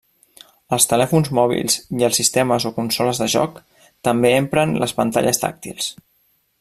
Els telèfons mòbils i els sistemes o consoles de joc també empren les pantalles tàctils.